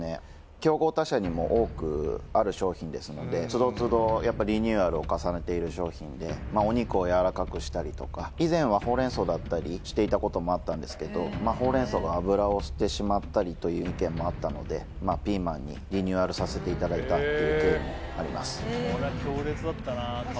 競合他社にも多くある商品ですので都度都度リニューアルを重ねている商品でお肉をやわらかくしたりとか以前はほうれん草だったりしていたこともあったんですけどほうれん草が脂を吸ってしまったりという意見もあったのでピーマンにリニューアルさせていただいたっていう経緯もあります